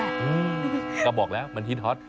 อืมก็บอกแล้วมันฮิตฮอต